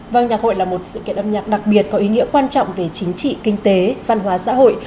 vâng nhạc hội là một sự kiện âm nhạc đặc biệt có ý nghĩa quan trọng về chính trị kinh tế văn hóa xã hội